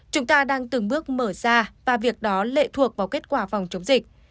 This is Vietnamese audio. chúng ta đang từng bước mở ra và việc đó lệ thuộc vào kết quả phòng chống dịch